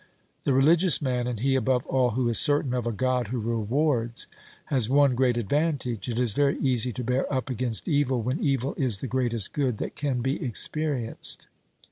The religious man, and he above all who is certain of a God who rewards, has one great advantage ; it is very easy to bear up against evil when evil is the greatest good that can be experienced.